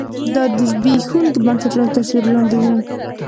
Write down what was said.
دا د زبېښونکو بنسټونو تر سیوري لاندې و.